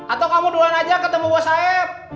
atau kamu duluan aja ketemu bos saya